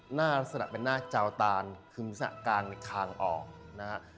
หน้าลักษณะเป็นหน้าเจ้าตานคือมีลักษณะการคางออกนะฮะ